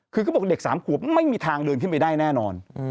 คือเขาบอกเด็ก๓ขวบไม่มีทางเดินขึ้นไปได้แน่นอน